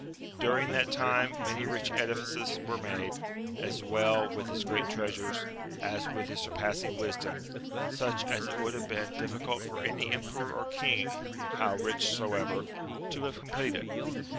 During that time many rich edifices were made, as well with his great treasures, as with 252 AMADIS OF GAUL his surpassing wisdom, such as it would have been difficult for any emperor or king, how rich soever, to have completed.